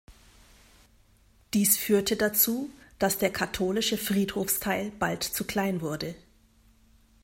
Dies führte dazu, dass der katholische Friedhofsteil bald zu klein wurde.